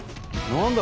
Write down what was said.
何だ？